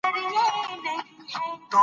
کلاب هماغسې وکړل، شیدې یې راوړې،